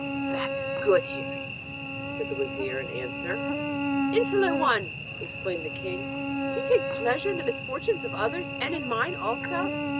'That is good hearing!' said the wazir in answer. 'Insolent one,' exclaimed the king. 'Do you take pleasure in the misfortunes of others, and in mine also?